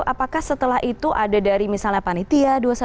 apakah setelah itu ada dari misalnya panitia dua ratus dua belas